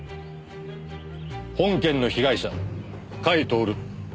本件の被害者甲斐享。